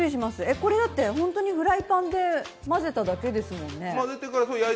これだって、本当にフライパンで混ぜただけですよね。